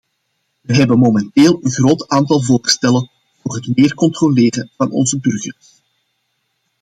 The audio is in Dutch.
We hebben momenteel een groot aantal voorstellen voor het meer controleren van onze burgers.